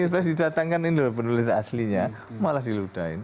terus didatangkan ini lho penulis aslinya malah diludahin